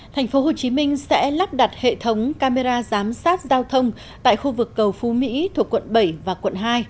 thành phố hồ chí minh sẽ lắp đặt hệ thống camera giám sát giao thông tại khu vực cầu phú mỹ thuộc quận bảy và quận hai